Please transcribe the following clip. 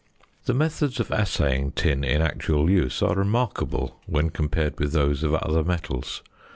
The methods of assaying tin in actual use are remarkable when compared with those of other metals.